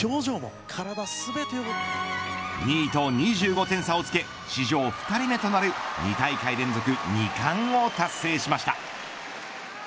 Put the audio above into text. ２位と２５点差をつけ史上２人目となる、２大会連続二冠を達成しました。